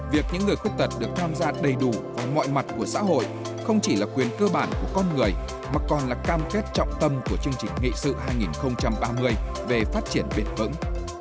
việc những người khuyết tật được tham gia đầy đủ vào mọi mặt của xã hội không chỉ là quyền cơ bản của con người mà còn là cam kết trọng tâm của chương trình nghị sự hai nghìn ba mươi về phát triển bền vững